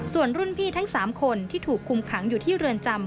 ส่วนรุ่นพี่ทั้ง๓คนที่ถูกคุมขังอยู่ที่เรือนจำ